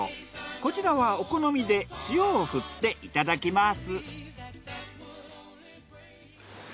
こちらはお好みで塩を振っていただきます。